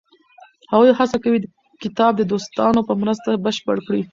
هغوی هڅه کوي کتاب د دوستانو په مرسته بشپړ کړي.